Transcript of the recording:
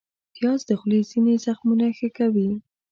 پیاز د خولې ځینې زخمونه ښه کوي